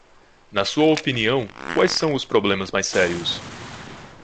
Na sua opinião, quais são os problemas mais sérios?